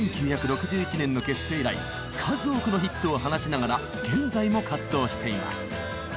１９６１年の結成以来数多くのヒットを放ちながら現在も活動しています。